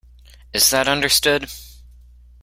Is that understood?